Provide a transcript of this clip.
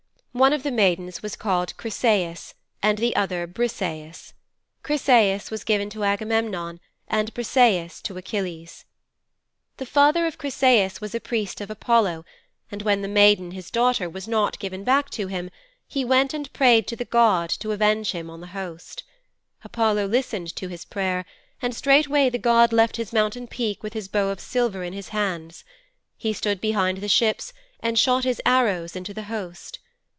One of the maidens was called Chryseis and the other Briseis. Chryseis was given to Agamemnon and Briseis to Achilles. 'The father of Chryseis was a priest of Apollo, and when the maiden, his daughter, was not given back to him, he went and prayed the god to avenge him on the host. Apollo listened to his prayer, and straightway the god left his mountain peak with his bow of silver in his hands. He stood behind the ships and shot his arrows into the host.